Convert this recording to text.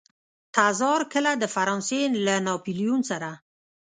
تزار کله د فرانسې له ناپلیون سره.